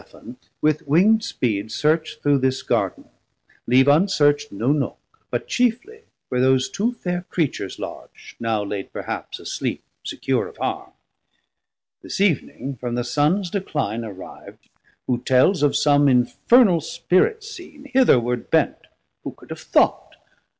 Ithuriel and Zephon, with wingd speed Search through this Garden, leav unsearcht no nook, But chiefly where those two fair Creatures Lodge, 790 Now laid perhaps asleep secure of harme. This Eevning from the Sun's decline arriv'd Who tells of som infernal Spirit seen Hitherward bent (who could have thought?)